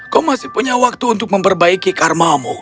kau masih punya waktu untuk memperbaiki karmamu